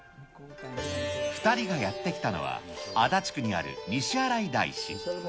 ２人がやって来たのは、足立区にある西新井大師。